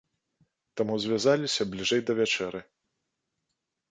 Таму звязаліся бліжэй да вячэры.